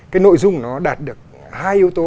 cái nội dung nó đạt được hai yếu tố